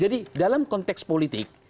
jadi dalam konteks politik